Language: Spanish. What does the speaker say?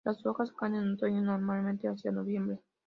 Las hojas caen en otoño, normalmente hacia noviembre.